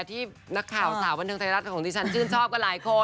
ที่นักข่าวสาวบันเทิงไทยรัฐของดิฉันชื่นชอบกับหลายคน